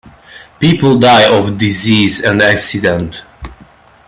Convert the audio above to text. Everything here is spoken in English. People die of disease and accident.